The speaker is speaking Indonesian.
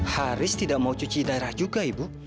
haris tidak mau cuci darah juga ibu